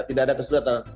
tidak ada kesulitan